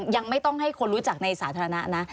ยังไม่ต้องให้คนรู้จักในสาธารณะนะ